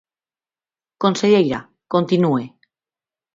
Conselleira, continúe.